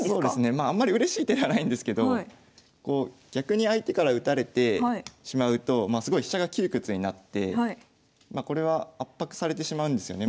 まああんまりうれしい手ではないんですけど逆に相手から打たれてしまうとすごい飛車が窮屈になってこれは圧迫されてしまうんですよね。